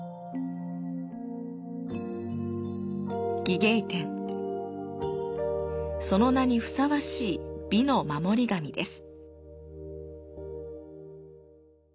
伎芸天、その名にふさわしい美の守り神です。